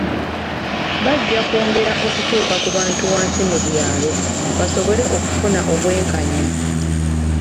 Bajja kwongera okutuuka ku bantu wansi mu byalo, basobole okufuna obwenkanya.